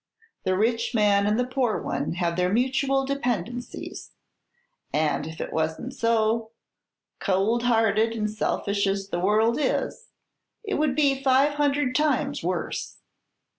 The rich man and the poor one have their mutual dependencies; and if it was n't so, cowld hearted and selfish as the world is, it would be five hundred times worse."